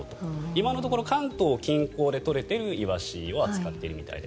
今のところ関東近郊で取れているイワシを扱っているみたいで。